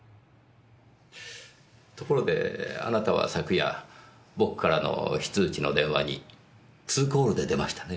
ところであなたは昨夜僕からの非通知の電話にツーコールで出ましたね？